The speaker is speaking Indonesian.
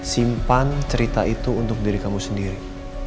simpan cerita itu untuk diri kamu sendiri